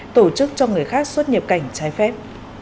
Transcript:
tổ chức cho người khác xuất nhập cảnh trái phép